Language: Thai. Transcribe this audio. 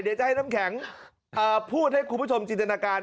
เดี๋ยวจะให้น้ำแข็งพูดให้คุณผู้ชมจินตนาการ